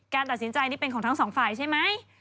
ตัดสินใจนี่เป็นของทั้งสองฝ่ายใช่ไหม